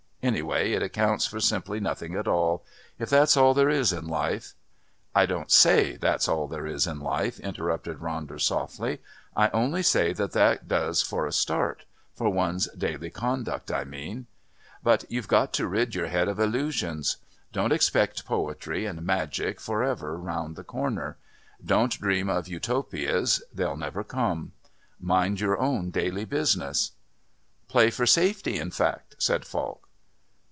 Anyway it accounts for simply nothing at all. If that's all there is in life " "I don't say that's all there is in life," interrupted Ronder softly, "I only say that that does for a start for one's daily conduct I mean. But you've got to rid your head of illusions. Don't expect poetry and magic for ever round the corner. Don't dream of Utopias they'll never come. Mind your own daily business." "Play for safety, in fact," said Falk.